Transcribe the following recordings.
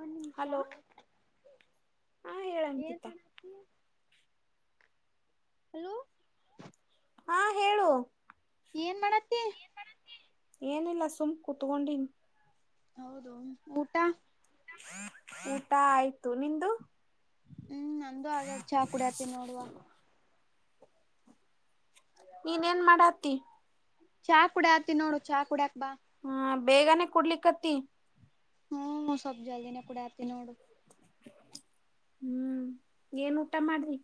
ಒಂದ್ ನಿಮಿಷ ಹಲೋ ಹಾ ಹೇಳ ಹೇ ಅಂಕಿತ ಹಲೋ [inaudible] ಹಾ ಹೇಳು ಏನ್ ಮಾಡತ್ತತಿ ಏನಿಲ್ಲ ಸುಮ್ ಕುೂತ್ಕೊಂಡನ್ ಹೌದು ಊಟ ಊಟ ಆಯ್ತು ನಿದ ಹ್ಮ್ ನಂದುೂ ಆಗ್ಯ ಚಾ ಕುಡತಿ ನೋಡುವ ನೀನ್ ನ್ ಮಾಡ ಹತಿ ಚಾ ಕುಡ ಆತಿ ನೋಡು ಚಾ ಕುಡ್ಯಾಕ್ ಬಾ ಹಾ ಬೇಗನೆೇ ಕೊಡ್ಲಿಕ್ಕತ್ತತಿ ಹ್ಮ್ ಸವಪ್ ಜಲ್ದಿನೇ ಕುೂಡ ಆತಿ ನೋಡು ಹ್ಮ್ ಏನ್ ಊಟ ಮಾಡ್ರಿ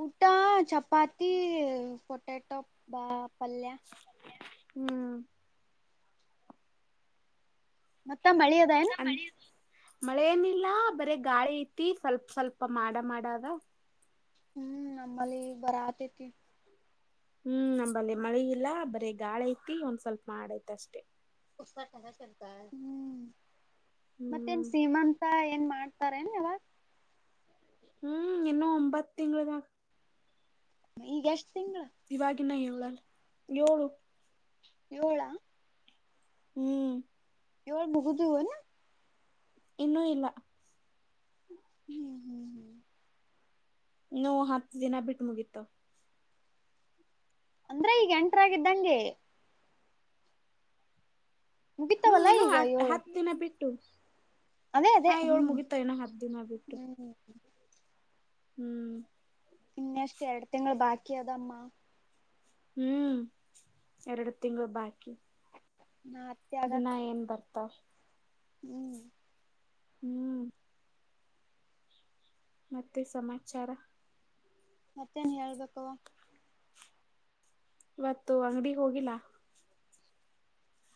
ಊಟ ಚಪಾತಿ ಪೊಟೆಟೊ ಬ ಪಲ್ಯ ಹ್ಮ್ ಮತ್ತೆ ಮಳೆ ಮಳೆ ಏನಿಲ್ಲ ಬರ ಗಾಳಿ ಐತಿ ಸ್ವಲ್ಪ ಸ್ವಲ್ಪ ಮಾಡ ಮಾಡದ ಹ್ಮ್ ನಮ್ಮಲ್ಲಿ ಬರ ಆತೇತಿ ಹ್ಮ್ ನಂಬಲ್ಲಿ ಮಳೆ ಇಲ್ಲ ಬರೀ ಗಾಳ ಐತಿ ಒಂದ್ ಸ್ವಲ್ಪ ಮಾಡಐತ ಅಷ್ಟೇ ಹ್ಮ ಮತ್ತ ಹ್ಮ್ ನ್ ಸೀಮಾಂತ ಏನ್ ಮಾಡ ಸರೇನು ಯವಾಗ ಹ್ಮ್ ಇನ್ನೂ ಒಂಬತ್ ತಿಂಗಳದಾಗ. ಈಗ ಎಷ್ಟ್ ತಿಂಗಳು. ಇವಾಗಿನ್ನ ಎಳಲ್ಲ ಏಳು. ಏಳ ಹ್ಮ್ ಏಳು ಮುಗುದು ವೇನು. ಇನ್ನುೂ ಇಲ್ಲ. ಹ್ಮ್ ಹ್ಮ್ ಹ್ಮ್ ನೂ ಹತ್ತು ದಿನ ಬಿಟ್ಟು ಮುಗೀತವ. ಅಂದ್ರೆ ಈಗ ಎಂಟರಾಗಿದ್ದಂಗೆ. ಹ್ಮ್ ಮುಗಿತಾವಲ್ಲಾ ಇನ್ನು ಈಗ ಹ ಏಳು ಹತ್ತು ದಿನ ಬಿಟ್ಟು ಅದೇ ಅದೇ ಹಾ ಏಳ್ ಹ್ಮ್ ಮುಗಿತಾ ಇನ್ನು ಹತ್ತು ದಿನ ಬಿಟ್ಟು. ಹ್ಮ್ ಹ್ಮ್ ಇನ್ನ ಅಷ್ಟು ಎರಡು ತಿಂಗಳು ಬಾಕಿ ಅದಮ್ಮ. ಹ್ಮ್ ಎರಡು ತಿಂಗಳು ಬಾಕಿ. ನಾರೀ ದಿನಾ ಏನ್ ಬರ್ತವ್. ಹ್ಮ್ ಹ್ಮ್ ಮತ್ತೆ ಸಮಾಚಾರ. ಮತ್ತೇನ್ ಹೇಳ್ಬೇಕವ್ವ. ಇವತ್ತು ಅಂಗಡಿ ಹೋಗಿಲ್ಲಾ.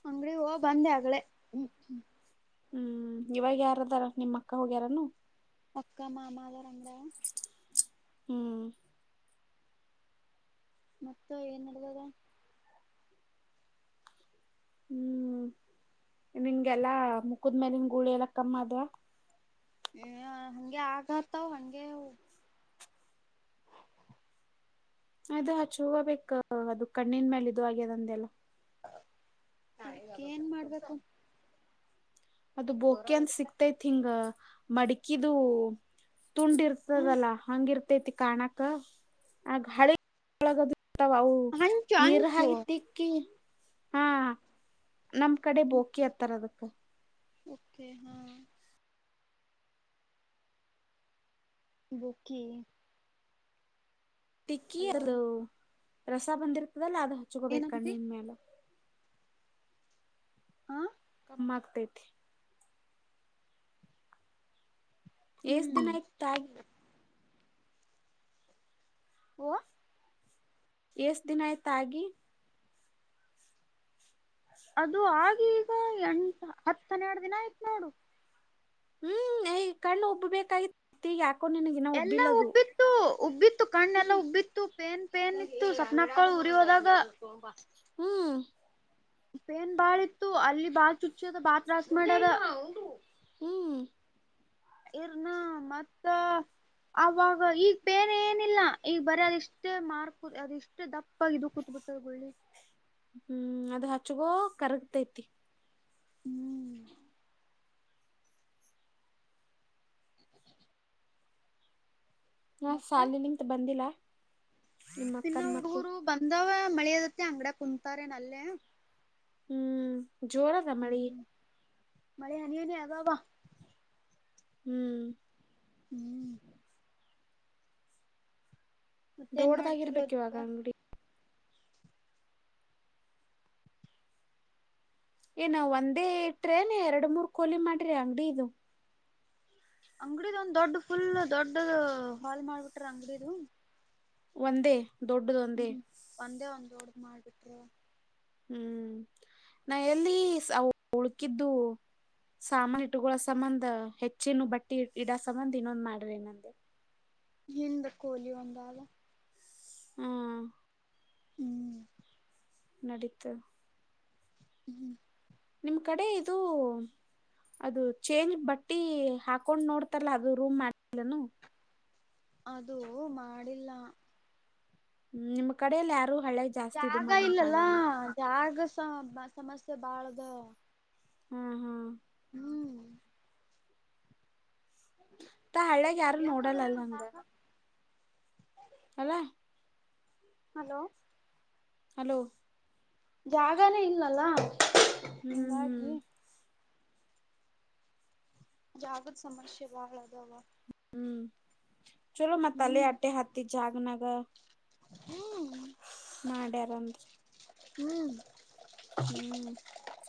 ಅಂಗಡಿಗ ಹೂಗ್ ಬಂದೆ ಆಗ್ಳೇ ಹ್ಮ. ಹ್ಮ್ ಇವಾಗ ಯಾರದಾರ ನಿಮ್ಮ್ ಅಕ್ಕ ಹೋಗ್ಯಾರೇನು. ಅಕ್ಕ ಮಾಮ ಅದರ ಅಂಗ್ಡ್ಯಾಗ. ಹ್ಮ್ ಮತ್ತ ಏನ್ ನಡದದ. ಹ್ಮ್ ನಿಂಗೆಲ್ಲಾ ಮುಕದ್ ಮೇಲಿನ್ ಗುಳಿ ಎಲ್ಲಾ ಕಮ್ಮ್ ಅದ್ವಾ. ಹ ಹಂಗೆ ಆಗತಾವ ಹಂಗೆ. ಅದು ಹಚಹುಬೇಕು ಅದು ಕಣ್ಣಿನ ಮೇಲೆ ಇದು ಆಗ್ಯದಂದ್ಯಲ್ಲ. [unintelligible] ಏನ್ ಮಾಡ್ಬೇಕು. ಅದು ಬೋಕಿ ಅಂದ ಸಿಕ್ತೈತ್ ಹಿಂಗ ಮಡಕಿದು. ತುಂಡ ಹ್ಮ್ ಇರ್ತದಲ್ಲಾ ಹಂಗ ಇರ್ತೈತಿ ಕಾಣಕ ಆಗ ಹಳೆಗ [unintelligible] [unintelligible] ವಾ ಹಂಚು ನೀರು ಹಂಚು ಹಗಿತ್ತಿಕ್ಕಿ ಹಾ. ನಮ್ ಕಡೆ ಬೋಕಿ ಹತ್ತಾರ ಅದಕ್ಕ. ಓಕೆ ನಾ. ಬೋಕಿ. ತಿಕ್ಕಿ ಹಲೋ ಅದು ರಸ ಬಂದಿರ್ತದಲ್ಲ ಅದು ಹಚ್ಕೋಬೇಕು ಏನಂತಿ ಕಣ್ಣನ್ ಮೇಲೆ. ಹಾ ಕಮ್ಮಗತತೀ. ಏಸ್ ಹ್ಮ್ ದಿನ ಆಯ್ತಾ ಆಗಿ. ಹೊ ಎಸ್ ದಿನ ಆಯ್ತ ಆಗಿ. ಅದು ಆಗಿ ಈಗ ಎಂಟ್ ಹತ್ತನ್ನೆರಡು ದಿನ ಆಯ್ತ್ ನೋಡು. ಹ್ಮ್ ಏ ಕಣ್ಣ್ ಒಬ್ಬೇಕಾಗಿತಿ ಯಾಕೋ ನಿನಗ್. ಎಲ್ಲ ಉಬ್ಬಿತ್ತು ಉಬ್ಬಿತ್ತು ಕಣ್ಣೆಲ್ಲ ಹ್ಮ್ ಉಬ್ಬಿತ್ತು. ಪೇನ್ ಪೇನ್ ಇತ್ತು ಸಪ್ನಾಕ್ಕಳು ಉರಿ ಹೋದಾಗ ಹ್ಮ ಪೇನ್ ಬಾಳ ಇತ್ತು ಅಲ್ಲಿ ಬಾತ್ ಚುಚ್ಚದ ಬಾತ್ ರಸ್ ಮಾಡದ ಹ್ಮ್ ಇರ್ನ ಮತ್ತ ಅವಾಗ ಈಗ ಪೇನ್ ಏನಿಲ್ಲ ಈಗ ಬರ ಅದ ಇಷ್ಟೇ ಮಾರ್ಕ್ ಅದೆಷ್ಟ ದಪ್ಪಾಗಿ ದುಖತ್ ಬಿಟ್ಟದ ಗಳ್ಳಿ ಹ್ಮ್ ಅದು ಹಚ್ಚಗೋ ಕರ್ಗ್ತೈತಿ ಹ್ಮ್ [inaudible] ಹಾ ಮತ್ತ ಸಾಲ ನಿಂತ ಬಂದಿಲ್ಲ ನಿಮ್ಮ ತಿನ್ನ ಅಕ್ಕನ್ ಮಕ್ಕು ಹುಡುಗರು ಬಂದವ ಮಳಿದತ್ತತಿ ಅಂಗ್ಡ ಕುಂತಾರೆ ನಲ್ಲೇ ಹ್ಮ್ ಜೋರದ ಮಳಿ ಹ್ಮ ಮಳೆ ಹನದ ಹಗವಾ ಹ್ಮ್ ಹ್ಮ್ ಮತ್ತೇನ್ ದೊಡ್ದಾಗಿರ್ಬೇಕಕ್ ಮಾಡ್ತಿರೋದಕ್ಕ ಇವಾಗ ನೋಡಿ ಏ ನಾವ್ ಒಂದೇ ಇಟ್ರೇನೆ ಎರಡು ಮೂರ್ ಕೋಲಿ ಮಾಡ್ರಿ ಅಂಗಡಿ ಇದು ಅಂಗಡಿದ ಒಂದ್ ದೊಡ್ ಫುಲ್ ದೊಡ್ಡದು ಹಾಲ್ ಮಾಡ್ಬಿಟ್ರ ಅಂಗಡದು ಒಂದೇ ದೊಡ್ಡದ ಒಂದೇ ಹ್ಮ್ ಒಂದೇ ಒಂದೋಡ್ದ ಮಾಡ್ಕ್ಕೆ ಹ್ಮ್ ನಾ ಎಲ್ಲಿ ಉಳ್ಕಿದ್ದು ಸಾಮಾನನ್ ಇಟ್ಟುಗಳ ಸಂಬಂಂದ ಹೆಚ್ಚೇನು ಬಟ್ಟಿ ಇಡ ಸಂಬಂಂದ ಇನ್ನೊಂದ್ ಮಾಡ್ರಿ ನೆ ಹಿಂದ ಕೋಲಿ ಒಂದಲ್ಲ ಹ್ಮ ಹ್ಮ್ ನಡತ ಹ್ಮ್ [inaudible] ನಿಮ್ ಕಡೆ ಇದು ಅದು ಚೇಂಜ್ ಬಟ್ಟಿ ಹಾಕೊಂಡ್ ನೋಡ್ತಲ್ಲಾ ಅದು ರೂಮ್ ಮಾಡಿಲ್ಲನು ಅದು ಮಾಡಿಲ್ಲ ಹ್ಮ ನಿಮ್ಮ್ ಕಡಲ್ಲ ಯಾರು ಹಳೇ ಜಾಗ ಇಲ್ಲಲ್ಲಾ ಜಾಗ ಸಮಸ್ಯೆ ಬಾಳ್ದ ಹ್ಮ್ ಹ್ಮ್ ಹ್ಮ್ ತ ಹಳ್ಳ್ಯಾಗ ಯಾರು ಯಾಕದ ನೋಡಲ್ಲಲ್ಲ ಹಂಗ ಜಾಗ ಅಲ ಹಲೋ ಹಲೋ ಜಾಗಾನೇ ಇಲ್ಲಲ್ಲ ಹ್ಮ್ ಹ್ಮ್ ಹಂಗಾಗಿ ಜಾಗದ ಸಮಸ್ಯೆ ಬಹಳ ಅದವಾ ಹ್ಮ್ ಚಲೋ ಮ ತಲ್ಲೇ ಹ್ಮ್ ಆಟೆ ಹಾತ್ತಿ ಜಾಗ ನಗ ಹ್ಮ್ ಮಾಡ್ಯಾರಂದರಿ [inaudible] [inaudible]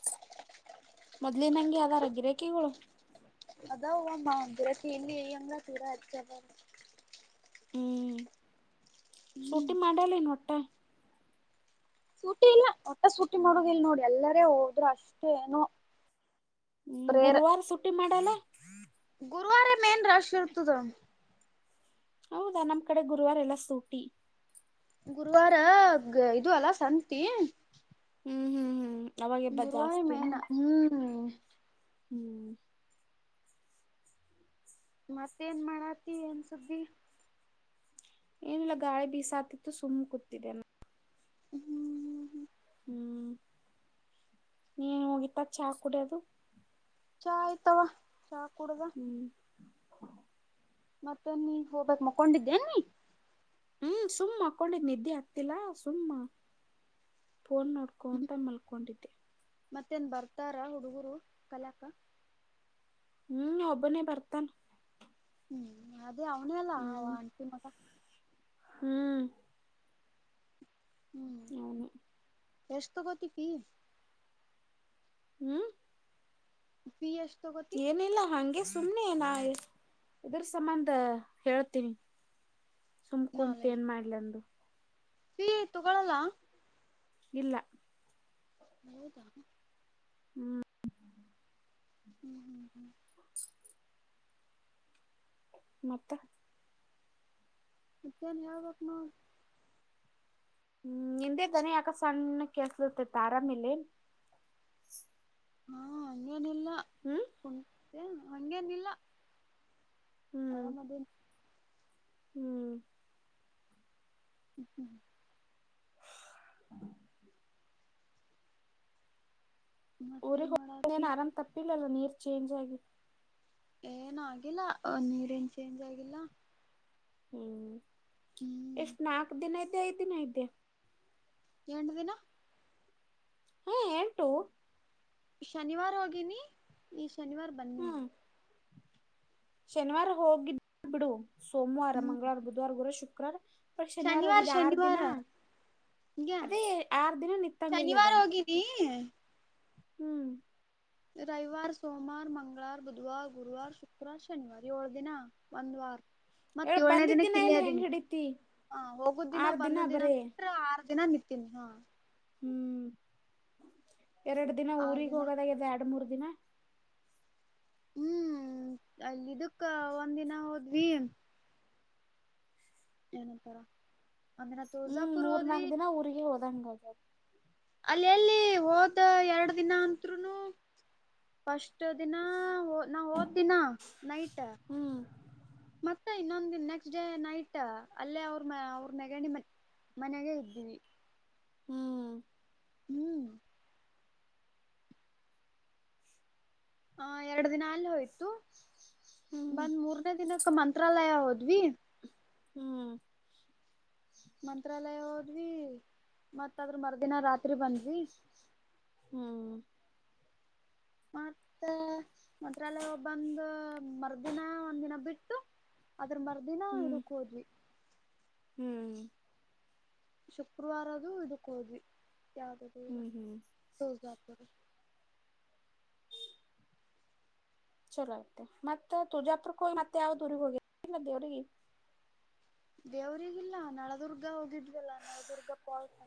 ಮೊದ್ಲಿನಂಗೆ ಅದಾರ ಗಿರೇಕಿಗಳು ಅದಾವ ಅಮ್ಮ ಒಂದತಿ ಇಲ್ಲಿ ಅಂಗ್ಳ ತೀರ ಹೆಚ್ಚಾದರ ಹ್ಮ್ ಹ್ಮ್ ಸುಟಿ ಮಾಡಲೇನು ಹೊಟ್ಟೆ ಸೂಟಿ ಇಲ್ಲ ಒಟ್ಟ ಸೂಟಿ ಮಾಡುದಲ್ ನೋಡಿ ಎಲ್ಲರ ಹೋದ್ರೆ ಅಷ್ಟೇ ಏನೋ ಹ್ಮ ರೇರ್ ಗುರುವಾರ ಸುಟ್ಟಿ ಮಾಡಲೇ ಗುರುವಾರ ಮೇನ್ ರಾಶ್ ಇರ್ತದ ಹೌದಾ ನಮ್ ಕಡೆ ಗುರುವಾರ ಇಲ್ಲ ಸೂಟಿ ಗುರುವಾರ ಇದು ಅಲ್ಲಾ ಸಂತಿ ಹ್ಮ್ ಹ್ಮ್ ಹ್ಮ್ ಅವಾಗೆಬ್ಬಾ ಗುರುವಾರ ಜಾಸ್ತಿ ಏನು ಮೇನ ಹ್ಮ್ ಹ್ಮ್ ಮತ್ತೆ ಏನ್ ಮಾಡತಿ ಏನ್ ಸುದ್ದಿ ಏನಿಲ್ಲ ಗಾಳಿ ಬೀಸಾತಿತ್ತು ಸುಮ್ಮ್ ಕೂತಿದೆ ಅಲ್ಲ ಹ್ಮ್ ಹ್ಮ್ ಹ್ಮ್ ಹ್ಮ್ ನೀನ್ ಮುಗಿತ ಚಾ ಕುಡಿಯದು ಚಾ ಆಯ್ತಾವ ಚಾ ಕುಡುದು ಹ್ಮ್ ಮತ್ತೆ ನೀ ಮಕ್ಕೊಂಡಿದ್ದೇ ನೀ ಹ್ಮ್ ಸುಮ್ಮ್ ಮಾಕ್ಕೊಂಡಿದ್ದೆ ನಿದ್ದೆ ಆಗ್ತಿಲ್ಲ ಸುಮ್ಮ್ ಫೋನ್ ನೋಡ್ಕೋ ಕೊಂತ ಮಲ್ಕೊಂಡಿದ್ದೆ ಮತ್ತೇನ್ ಬರ್ತಾರ ಹುಡುಗರು ಕಲಿಯಕ್ಕ ಹ್ಮ್ ಒಬ್ಬನೇ ಬರ್ತಾನೆ ಹ್ಮ್ ಅದೇ ಅವನೇ ಅಲ್ಲ ಆ ಹ್ಮ್ ಆಂಟಿ ಮಗ ಹ್ಮ್ ಹ್ಮ್ ಅವನೇ ಎಷ್ಟು ತಕೊಂತೀಯ ಹ್ಮ್ ಫೀಸ್ ಎಷ್ಟು ತಕೋತಿ ಏನಿಲ್ಲ ಹಂಗೆ ಸುಮ್ನೆ ಏನಾ ಇದ್ರ ಸಂಬಂಧ ಹೇಳ್ತೀನಿ ಸುಮ್ ಕುಂತು ನಾಲ್ಐದು ಏನ್ ಮಾಡ್ಲಿ ಅಂದ್ ಫೀ ತಗೊಳ್ಳಲ್ಲ ಇಲ್ಲ ಹೌದಾ ಹ್ಮ್ ಹ್ಮ್ ಹ್ಮ್ ಹ್ಮ ಮತ್ತ ಮತೇನು ಹೇಳಬೇಕು ನೋಡು ಹ್ಮ್ ನಿಂದೆ ಧ್ವನಿ ಯಾಕೋ ಸಣ್ಣ ಕೆಳಲತ್ತೈತ್ತ ಆರಾಮಿಲೆನ್ ಹಾ ಹಂಗೇನಿಲ್ಲ ಹ್ಮ್ ಕು ಹಂಗೇನಿಲ್ಲ ಹ್ಮ್ ಆರಾಮದಿನಿ ಹ್ಮ್ [inaudible] [inaudible] ಮತ್ತೇನ್ ಊರಿಗೆ ಹೋಗ ಮಾಡತಿ ಏನ ಆರಾಮ್ ತಪ್ಪಿಲ್ಲಲ್ಲ ನೀರ್ ಚೇಂಜ್ ಆಗಿ ಏನ ಆಗಿಲ್ಲ ನೀರ್ ನ್ ಚೇಂಜ್ ಆಗಿಲ್ಲ ಹ್ಮ್ ಹ್ಮ್ ಎಷ್ಟ್ ನಾಲ್ಕ ದಿನ ಐದೆ ಐದ್ ದಿನ ಐದೆ ಎಟು ದಿನ ಹಾ ಎಟು ಶನಿವಾರ ಹೋಗಿನಿ ಈ ಶನಿವಾರ ಬನ್ನಿ ಹ್ಮ್ ಶನಿವಾರ ಹೋಗಿದ್ದ ಬಿಡು ಸೋಮವಾರ ಹ್ಮ್ ಮಂಗಳವಾರ ಬುಧವಾರ ಗುರುವ ಶುಕ್ರವಾರ ಶನಿವಾರ ಹೋಗಿದ್ದ ಆರ್ ದಿನ ಈಗ ಅದೇ ಆರು ದಿನ ನಿತ್ತಂಗಗ ಅದ ಶನಿವಾರ [inaudible] ಹ್ಮ್ ರವಿವಾರ ಸೋಮವಾರ ಮಂಗಳವಾರ ಬುಧವಾರ ಗುರುವಾರ ಶುಕ್ರವಾರ ಶನಿವಾರ ಏಳು ದಿನ ಬಂದವಾರ್ ಮತ್ತ ಹೇಳ ಏಳನೇ ಬಂದಿದ್ದ ದಿನ ದಿನಕ್ಕೆ ಇಲ್ಲಿ ಹೆಂಗ್ ಇಲ್ಲೇದಿನಿ ಹಿಡಿತಿ ಹ ಹೋಗುದ ದಿನ ಆರ್ ಬಂದ ದಿನ ಬರೀ ಬಿಟ್ರ ಆರು ದಿನ ನಿ ತಿ ಹ [inaudible] ಹ್ಮ್ ಎರಡು ದಿನ ಊಗ್ ಹೋಗದಾಗದ ಎರಡು ಮೂರ್ ದಿನ ಹ್ಮ್ ಅಲ್ಲ ಇದಕ್ಕ ಒಂದಿನ ಹೋದ್ವಿ ಏನಂತರ ಹ್ಮ್ ಮೂರ್ ನಾಲ್ಕ್ ದಿನ ಊರಿಗೆ ಹೋದಂಗ ಹೋಗ ಅಲ್ಲ ಎಲ್ಲಿ ಹೋದ ಎರಡ್ ದಿನ ಅಂತ್ರುನು ಸ್ಟ್ ದಿನ ನಾ ಓದ್ದಿನ ನೈಟ್ ಹ್ಮ್ ಮತ್ತ ಇನ್ನೊಂದ ನೆಕ್ಸ್ಟ್ ಡೇ ನೈಟ್ ಅಲ್ಲೇ ಅವ್ರ ಅವ್ರ ನಗಣಿ ಮತ್ತ ಮನೆಗೆ ಇದ್ದೀವಿ ಹ್ಮ್ ಹ್ಮ್ ಹ ಎರಡು ದಿನ ಅಲ್ಲಿ ಹೋಯ್ತು ಹ್ಮ್ ಬಂದ್ ಮೂರ್ನೇ ದಿನಕ್ಕೆ ಮಂತ್ರಾಲಯ ಹೋದ್ವಿ ಹ್ಮ್ ಮಂತ್ರಾಲಯ ಹೋದ್ವಿ ಮತ್ತದ್ರ ಮರ್ದಿನ ರಾತ್ರಿ ಬಂದ್ವಿ ಹ್ಮ್ ಮತ್ತ ಮಂತ್ರಾಲಯ ಒಬ್ಬಂದ ಮರ್ದಿನ ಒಂದಿನ ಬಿಟ್ಟು ಅದ್ರ ಮರ್ದಿನ ಹ್ಮ್ ಹೌಿ ಹ್ಮ್ [inaudible] ಶುಕ್ರವಾರದದು ಇದಕ್ಕೆ ಹೋದ್ವಿ ಯಾವ್ದ ಹ್ಮ್ ಹ್ಮ್ ಹ ಜತ ಚಲೋ ಆಯತೆ ಮತ್ತ ತುಜಾಪರ ಮತ್ತೆ ಯಾವ ದೂಊರಿಗೆಗ್ ಹೋಗಿ ಅವ್ರಿಗೆ ದೇವ್ರಗಿಲ್ಲ ನಳದುರ್ಗ ಹೋಗಿದ್ಲಲ್ಲ ನಳದುರ್ಗ ಪಟ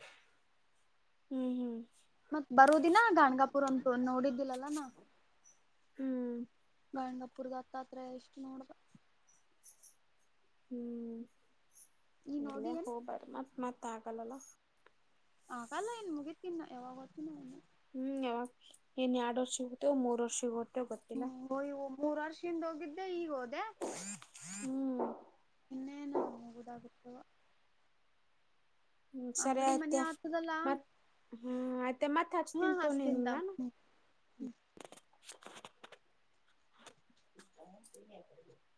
ಹ್ಮ್ ಹ್ಮ್ ಮತ್ತ್ ಬರೋದಿನ ಗನ್ಗಾಪುರ ಅಂತ ನೋಡಿದ್ದಿಲ್ಲಲ್ಲ [unintelligible] ಹ್ಮ್ ಗಂಗಪುರ್ದ ಹತ್ತಾತ್ರ ಎಷ್ಟು ನೋಡ ಹ್ಮ್ ನೀ ನೋಡಿ ಇಲ್ಲೇ ಏನ್ ಹೋಗಬರ ಮತ್ತ ಮತ್ತೆ ಆಗಲ್ಲಲ್ಲ ಆಗಲ್ಲ ಇನ್ ಮುಗತೀನ ಯಾವಾಗ ್ತನ ಇನು ಹ್ಮ್ ಅವ ಏನ್ ಎರಡ್ ವರ್ಷ ಹೋಗತೇವ ಮೂರ್ ವರ್ಷ ಹೋಗ್ತೇವ ಗೊತ್ತಿಲ್ಲಾ ಹಓ್ ಮೂರ್ ವರ್ಷದಿಂದ ಹೋಗಿದ್ದೆ ಈಗೋದೆ ಹ್ಮ್ ಇನ್ನೇ ನ ಹೋಗುದಾಗುತ್ತ ಹ್ಮ ಸರಿ ಅಂಗಡಿ ಮನಿ ಆಯ್ತಾ ಆತದಲ್ಲಾ ಮತ್ ಹಾ ಆಯ್ತಾ ಮತ್ತೆ ಹಚ್ ಹಾ ತಿಂತನೆ ಹಸ್ತಿನ್ ನಾನು ತಮ್ [inaudible]